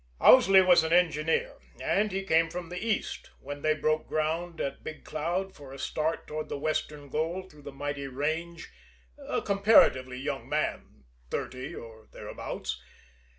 Owsley was an engineer, and he came from the East, when they broke ground at Big Cloud for a start toward the western goal through the mighty range, a comparatively young man thirty, or thereabouts.